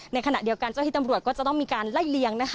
ในขณะเดียวกันเจ้าที่ตำรวจก็จะต้องมีการไล่เลี้ยงนะคะ